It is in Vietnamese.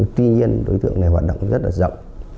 tuy nhiên đối tượng này hoạt động rất là rộng